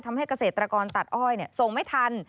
เกษตรกรตัดอ้อยส่งไม่ทัน